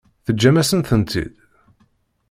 Teǧǧam-asen-tent-id?